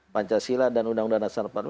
pancasila dan undang undang nasional